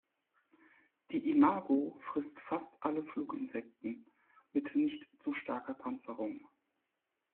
Die Imago frisst fast alle Fluginsekten mit nicht zu starker Panzerung.